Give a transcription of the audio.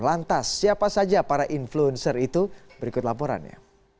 lantas siapa saja para influencer itu berikut laporannya